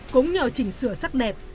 cũng nhờ chỉnh sửa sắc đẹp